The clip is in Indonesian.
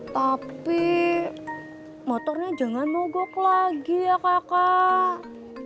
tapi motornya jangan mogok lagi ya kakak